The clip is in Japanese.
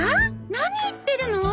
何言ってるの？